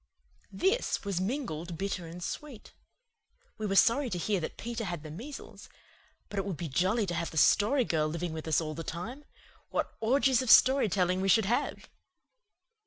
This was mingled bitter and sweet. We were sorry to hear that Peter had the measles; but it would be jolly to have the Story Girl living with us all the time. What orgies of story telling we should have!